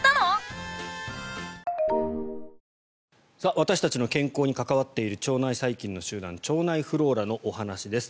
私たちの健康に関わっている腸内細菌の集団腸内フローラのお話です。